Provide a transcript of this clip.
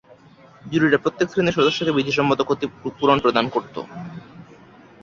জুরিরা প্রত্যেক শ্রেণীর সদস্যকে বিধিসম্মত ক্ষতিপূরণ প্রদান করত।